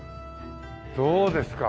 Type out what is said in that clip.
どうですか？